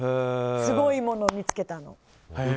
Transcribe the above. すごいものを見つけたの。